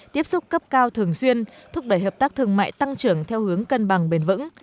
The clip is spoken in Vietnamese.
tiếp xúc cấp cao thường xuyên thúc đẩy hợp tác thương mại tăng trưởng theo hướng cân bằng bền vững